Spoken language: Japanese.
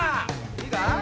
いいか？